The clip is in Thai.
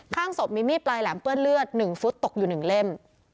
ข้างศพมีมีดปลายแหลมเปื้อนเลือด๑ฟุตตกอยู่๑เล่ม